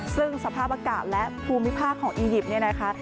ซึ่งสภาพอากาศและภูมิภาคของอียิปต์เนี่ยนะคะ